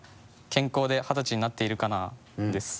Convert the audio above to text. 「健康で２０才になっているかなあ？」です。